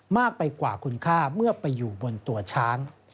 มากไปกว่าคุณค่าเมื่อไปอยู่บนตัวช้าง